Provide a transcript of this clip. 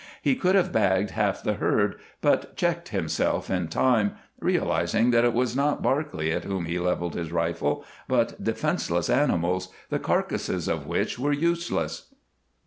He could have bagged half the herd, but checked himself in time, realizing that it was not Barclay at whom he leveled his rifle, but defenseless animals, the carcasses of which were useless.